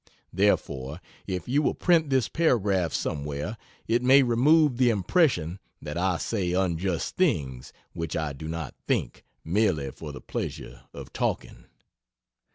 Therefore if you will print this paragraph somewhere, it may remove the impression that I say unjust things which I do not think, merely for the pleasure of talking.